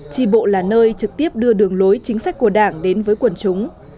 trì bộ là nơi trực tiếp đưa đường lối chính sách của đảng đến với quần chúng